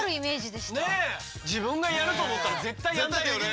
自分がやると思ったら絶対やんないよね。